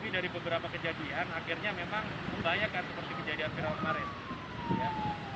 tapi dari beberapa kejadian akhirnya memang membahayakan seperti kejadian